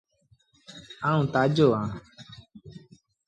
آئوٚݩ تآجو اهآݩ۔